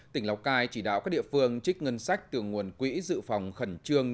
tỉnh lào cai chỉ đạo các địa phương trích ngân sách từ nguồn quỹ dự phòng khẩn trương